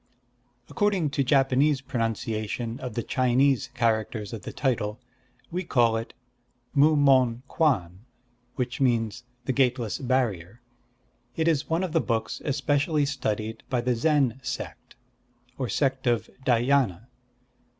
"According to Japanese pronunciation of the Chinese characters of the title, we call it Mu Mon Kwan, which means 'The Gateless Barrier.' It is one of the books especially studied by the Zen sect, or sect of Dhyâna.